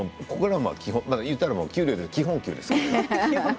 言うたら給料の基本給ですね。